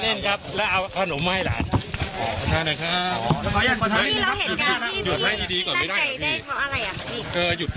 ได้ยุดสิบะเราเหตุการณ์ให้บรรงได้ไหมแบบเหรองเรียต่อ